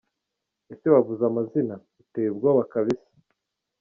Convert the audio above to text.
Ese wavuze amazina? Uteye ubwoba kabisa.